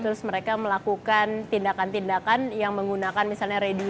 terus mereka melakukan tindakan tindakan yang menggunakan misalnya ready